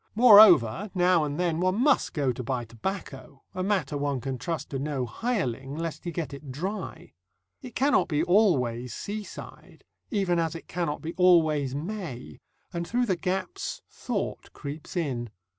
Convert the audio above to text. Moreover, now and then, one must go to buy tobacco, a matter one can trust to no hireling, lest he get it dry. It cannot be always seaside, even as it cannot be always May, and through the gaps thought creeps in.